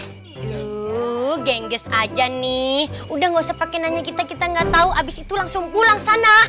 duh gengges aja nih udah gak usah pake nanya kita kita gak tau abis itu langsung pulang sana